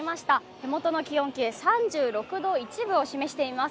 手元の気温計３６度１分を示しています。